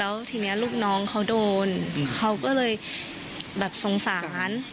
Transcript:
แล้วทีนี้ลูกน้องเขาโดนเขาก็เลยแบบสงสาร